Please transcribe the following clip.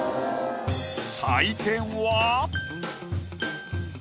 採点は。